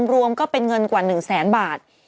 รวมก็เป็นเงินกว่า๑แสนบาท